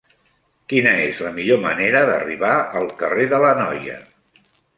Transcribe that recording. Quina és la millor manera d'arribar al carrer de l'Anoia?